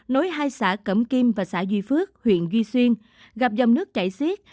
nối hai xã cẩm kim và xã duy phước huyện duy xuyên gặp dòng nước chảy xiết